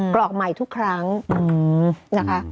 กรอกใหม่ทุกครั้งนะคะ